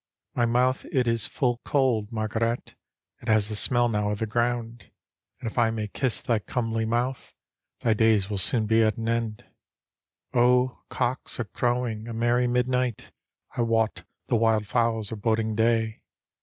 " My mouth it is full cold, Margaret, It has the smell now of the ground ; And if I may kiss thy comely mouth. Thy days will soon be at an end. " O, cocks are crowing a merry midnight; I wot the wild fowls are boding day.